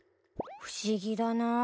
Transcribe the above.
不思議だなぁ。